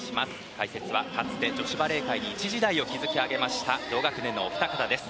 解説はかつて女子バレー界で一時代を築いた同学年のお二方です。